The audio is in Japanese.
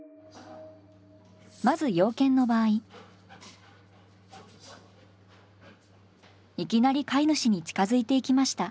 まずいきなり飼い主に近づいていきました。